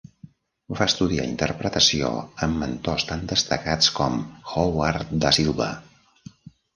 Va estudiar interpretació amb mentors tan destacats com Howard Da Silva.